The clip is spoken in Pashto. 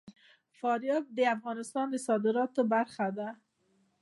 فاریاب د افغانستان د صادراتو برخه ده.